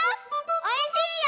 おいしいよ！